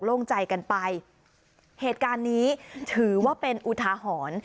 โล่งใจกันไปเหตุการณ์นี้ถือว่าเป็นอุทาหรณ์